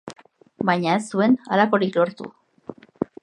Baina ez zuen halakorik lortu.